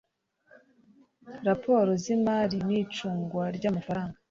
raporo z imari n icungwa ry amafaranga